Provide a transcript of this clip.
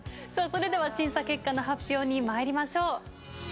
それでは審査結果の発表にまいりましょう。